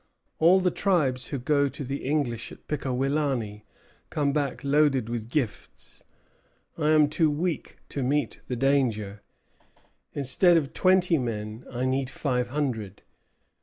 All the tribes who go to the English at Pickawillany come back loaded with gifts. I am too weak to meet the danger. Instead of twenty men, I need five hundred....